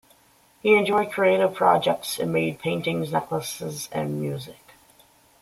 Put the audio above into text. He enjoyed creative projects and made paintings, necklaces, and music.